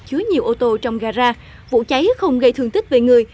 chứa nhiều ô tô trong gara vụ cháy không gây thương tích về người